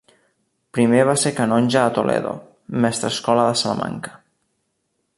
Primer va ser canonge a Toledo, mestrescola de Salamanca.